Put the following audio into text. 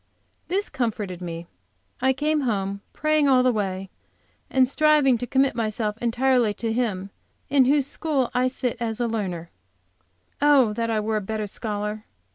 This comforted me. I came home, praying all the way, and striving to commit myself entirely to Him in whose school I sit as learner. Oh, that I were a better scholar.